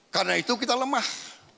karena itu kita lemah